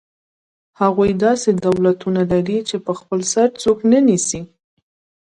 هغوی داسې دولتونه لري چې په خپل سر څوک نه نیسي.